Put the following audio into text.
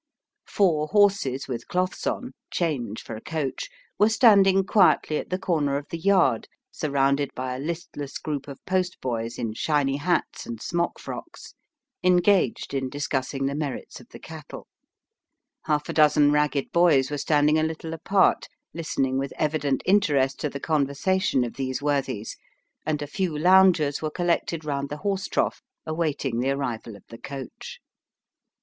Four horses with cloths on change for a coach were standing quietly at the corner of the yard surrounded by a listless group of postboys in shiny hats and smock frocks, engaged in discussing the merits of the cattle; half a dozen ragged boys were standing a little apart, listening with evident interest to the conversation of these worthies; and a few loungers were collected round the horse trough, awaiting the arrival of the coach.